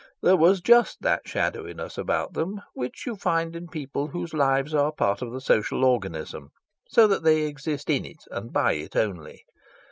There was just that shadowiness about them which you find in people whose lives are part of the social organism, so that they exist in it and by it only.